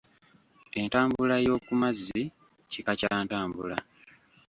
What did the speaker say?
Entambula yo ku mazzi Kika Kya ntambula.